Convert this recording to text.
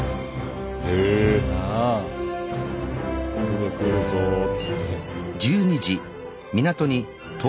「船来るぞ」っつって。